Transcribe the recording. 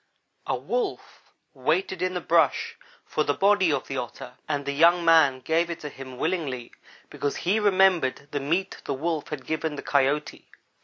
"A Wolf waited in the brush for the body of the Otter, and the young man gave it to him willingly, because he remembered the meat the Wolf had given the Coyote.